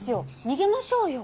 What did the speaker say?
逃げましょうよ。